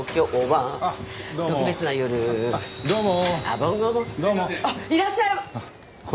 あっいらっしゃい！